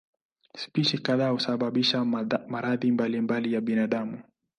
Spishi kadhaa husababisha maradhi mbalimbali ya binadamu.